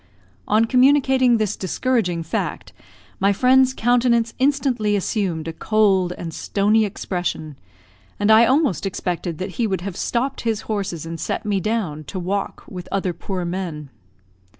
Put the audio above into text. On communicating this discouraging fact, my friend's countenance instantly assumed a cold and stony expression, and I almost expected that he would have stopped his horses and set me down, to walk with other poor men.